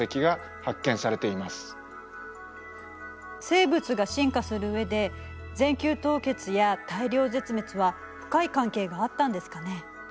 生物が進化する上で全球凍結や大量絶滅は深い関係があったんですかね。